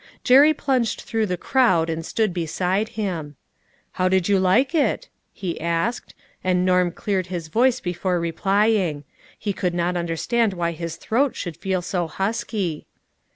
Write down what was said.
Jerry plunged through the crowd and stood beside him. " How did you like it ?" he asked, and Norm cleared his voice before replying ; he could not understand why his throat should feel so husky.